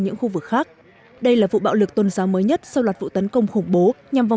những khu vực khác đây là vụ bạo lực tôn giáo mới nhất sau loạt vụ tấn công khủng bố nhằm vào